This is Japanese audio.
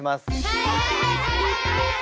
はい！